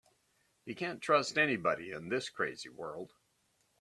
You can't trust anybody in this crazy world.